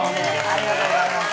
ありがとうございます。